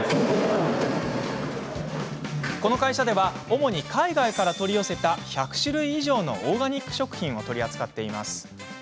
この会社では主に海外から取り寄せた１００種類以上のオーガニック食品を取り扱っています。